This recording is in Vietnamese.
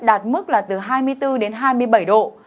đạt mức là từ hai mươi bốn đến hai mươi bảy độ